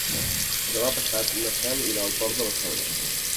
Demà passat na Cel irà al Port de la Selva.